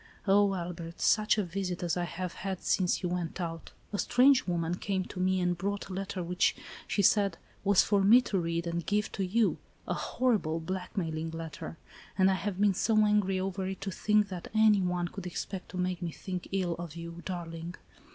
"Oh, Albert, such a visit as I have had since you went out. A strange woman came to me, and brought a letter which, she said, was for me to read and give to you, — a horrible, blackmail ing letter ! And I have been so angry over it, to think that any one could expect to make me think ill of you, darling.